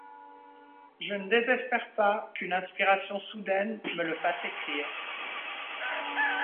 Je ne désespère pas qu’une inspiration soudaine me le fasse écrire.